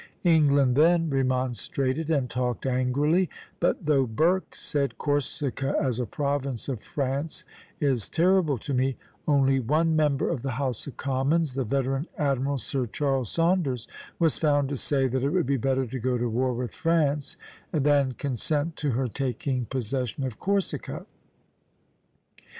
England then remonstrated and talked angrily; but though Burke said, "Corsica as a province of France is terrible to me," only one member of the House of Commons, the veteran admiral Sir Charles Saunders, was found to say "that it would be better to go to war with France than consent to her taking possession of Corsica."